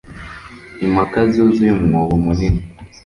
Impaka zuzuye umwobo munini.